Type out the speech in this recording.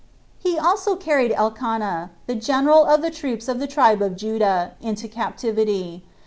He also carried Elkanah, the general of the troops of the tribe of Judah, into captivity.